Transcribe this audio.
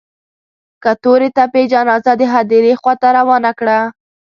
که تورې تپې جنازه د هديرې خوا ته روانه کړه.